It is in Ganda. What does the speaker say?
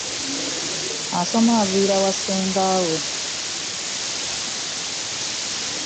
Asoma aviira wa ssenga we.